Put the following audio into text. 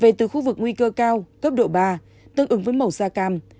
về từ khu vực nguy cơ cao cấp độ ba tương ứng với màu da cam